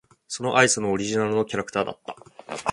そのアイスのオリジナルのキャラクターだった。